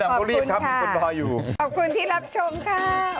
ขอบคุณค่ะขอบคุณที่รับชมครับมีคนรออยู่ขอบคุณค่ะ